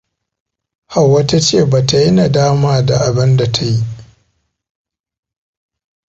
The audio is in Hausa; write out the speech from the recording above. Hauwa tace bata yi nadama da abun da tayi.